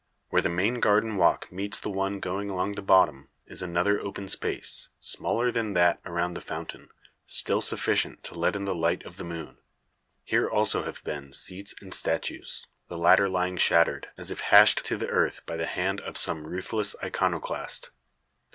Where the main garden walk meets the one going along the bottom, is another open space, smaller than that around the fountain, still sufficient to let in the light of the moon. Here also have been seats and statues; the latter lying shattered, as if hashed to the earth by the hand of some ruthless iconoclast.